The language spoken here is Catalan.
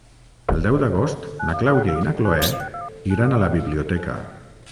El deu d'agost na Clàudia i na Cloè iran a la biblioteca.